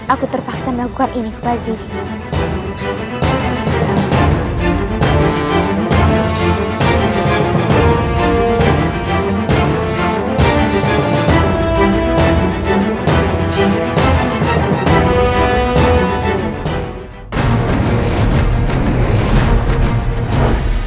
aku terpaksa melakukan ini kepadanya